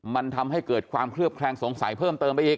มันทำให้เกิดความเคลือบแคลงสงสัยเพิ่มเติมไปอีก